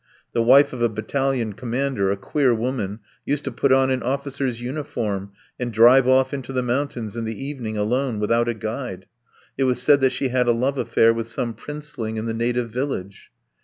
The wife of a battalion commander, a queer woman, used to put on an officer's uniform and drive off into the mountains in the evening, alone, without a guide. It was said that she had a love affair with some princeling in the native village.